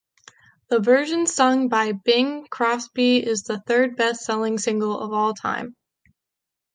The version sung by Bing Crosby is the third best-selling single of all-time.